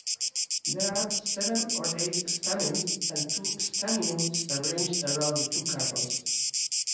There are seven or eight stamens and two staminodes arranged around the two carpels.